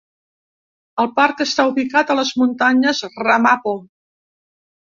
El parc està ubicat a les muntanyes Ramapo.